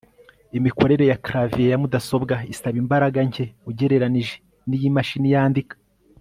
Imikorere ya clavier ya mudasobwa isaba imbaraga nke ugereranije niyimashini yandika